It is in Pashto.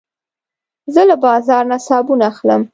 زه له بازار نه صابون اخلم.